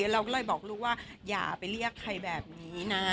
เราก็เลยบอกลูกว่าอย่าไปเรียกใครแบบนี้นะ